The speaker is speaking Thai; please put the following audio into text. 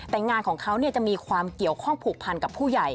แต่งานของเขาจะมีความเกี่ยวข้องผูกพันกับผู้ใหญ่